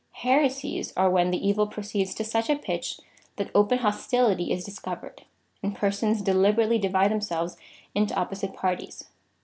Here sies are when the evil proceeds to such a pitch that oj^en hostility is discovered, and persons deliberately divide them selves into opposite parties.